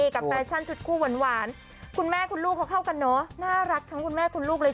แฟชั่นชุดคู่หวานคุณแม่คุณลูกเขาเข้ากันเนอะน่ารักทั้งคุณแม่คุณลูกเลย